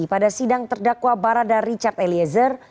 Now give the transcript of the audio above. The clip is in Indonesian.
pada sidang terdakwa barada richard eliezer